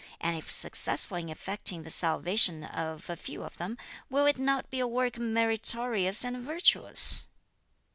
and if successful in effecting the salvation of a few of them, will it not be a work meritorious and virtuous?"